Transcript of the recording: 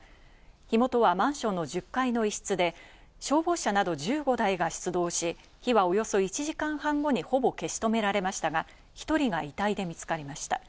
火元はマンションの１０階の一室で、消防車など１５台が出動し、火はおよそ１時間半後にほぼ消し止められましたが、１人が遺体で見つかりました。